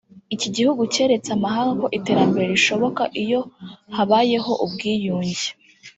Iki gihugu cyeretse amahanga ko iterambere rishoboka iyo habayeho ubwiyunge